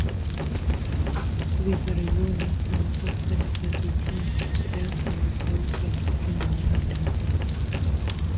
Hivi karibuni, amekuwa akifanya kazi uchumi wa kisiasa wa mageuzi ya kiuchumi nchini Tanzania.